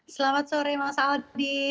selamat sore mas aldi